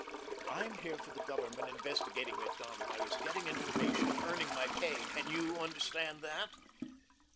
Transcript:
"I'm here for the Government investigating Macdonald. I was getting information earning my pay. Can you understand that?"